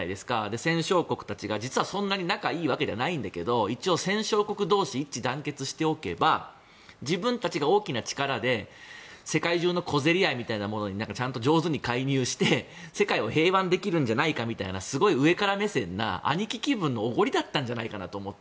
戦勝国たちが実はそんなに仲いいわけじゃないけど一応、戦勝国同士で一致団結しておけば自分たちが大きな力で、世界中の小競り合いみたいなものにちゃんと上手に介入して世界を平和にできるんじゃないかみたいなすごい上から目線な兄貴気分のおごりだったんじゃないかなと思って。